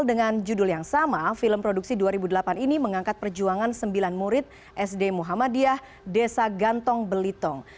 dengan judul yang sama film produksi dua ribu delapan ini mengangkat perjuangan sembilan murid sd muhammadiyah desa gantong belitong